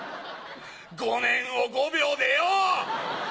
５年を５秒でよぉ！